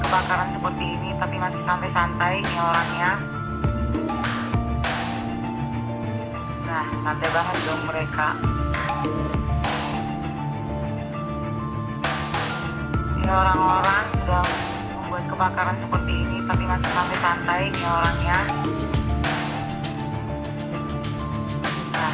buat kebakaran seperti ini tapi masih sampai santai nih orangnya